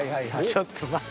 ちょっと待て。